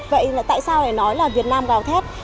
vậy tại sao lại nói là việt nam gào thét